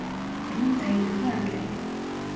ემამ დაინახა რამდენი?